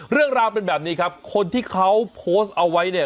เรื่องราวเป็นแบบนี้ครับคนที่เขาโพสต์เอาไว้เนี่ย